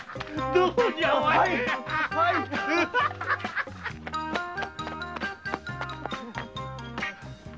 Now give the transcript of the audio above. どうじゃ！はいっ。